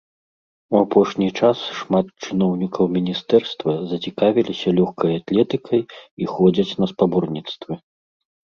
У апошні час шмат чыноўнікаў міністэрства зацікавіліся лёгкай атлетыкай і ходзяць на спаборніцтвы.